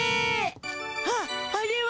ああれは。